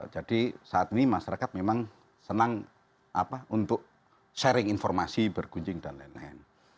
jadi saat ini masyarakat memang senang untuk sharing informasi berguncing dan lain lain